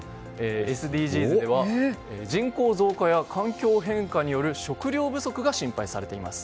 ＳＤＧｓでは人口増加や環境変化による食糧不足が心配されています。